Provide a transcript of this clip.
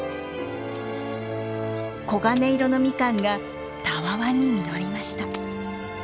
黄金色のミカンがたわわに実りました。